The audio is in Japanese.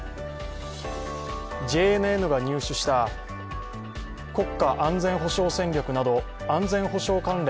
ＪＮＮが入手した国家安全保障戦略など安全保障関連